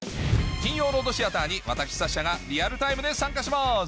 金曜ロードシアターに私サッシャがリアルタイムで参加します！